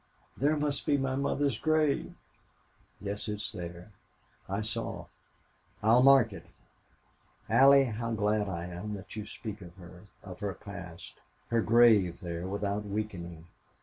There must be my mother's grave." "Yes, it's there. I saw. I will mark it.... Allie, how glad I am that you can speak of her of her past her grave there without weakening.